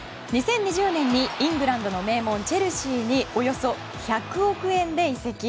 ２０２０年にイングランドの名門チェルシーにおよそ１００億円で移籍。